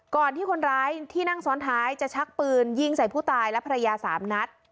ก่อนที่คนร้ายที่นั่งซ้อนท้ายจะชักปืนยิงใส่ผู้ตายและภรรยา๓นัด